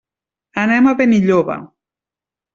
Anem a Benilloba.